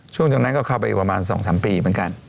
ช่วงจังหวะก็เข้าไปประมาณ๒๓ปีเหมือนกัน